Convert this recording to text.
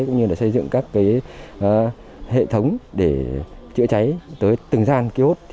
cũng như xây dựng các hệ thống để chữa cháy tới từng gian kiosk